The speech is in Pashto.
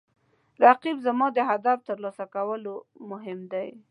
رقیب زما د هدف د ترلاسه کولو ملګری دی